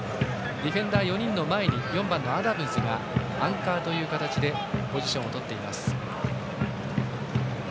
ディフェンダー４人の前に４番のアダムズがアンカーという形でポジションを取っています。